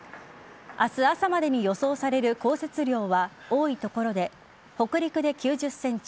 明日朝までに予想される降雪量は多い所で北陸で９０ｃｍ